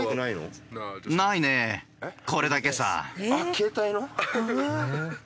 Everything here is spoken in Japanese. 携帯の？